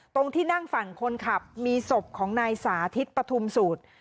ตรงที่นั่งฝั่งคนขับมีศพของนายสาธิตปฐุมสูตร